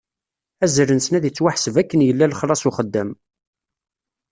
Azal-nsen ad ittwaḥseb akken yella lexlaṣ n uxeddam.